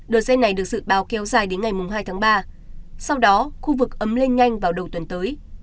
đợt dây này được dự báo kéo dài đến ngày hai tháng ba sau đó khu vực ấm lên nhanh vào đầu tuần tới